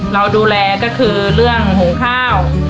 เราดูแลก็คือเรื่องหุงข้าว